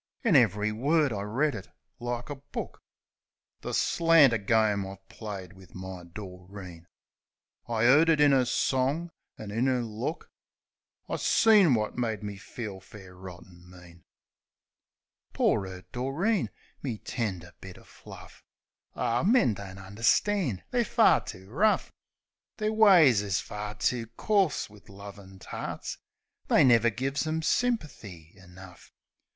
In ev'ry word I read it like a book — The slanter game I'd played wiv my Doreen — I 'card it in 'er song; an' in 'er look I seen wot made me feel fair rotten mean. 55 56 THE SENTIMENTAL BLOKE Poor, 'urt Doreen ! My tender bit o' fluff ! Ar, men don't understand; they're fur too rough; Their ways is fur too coarse wiv lovin' tarts; They never gives 'em symperthy enough.